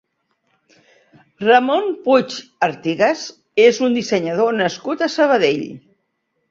Ramon Puig Artigas és un dissenyador nascut a Sabadell.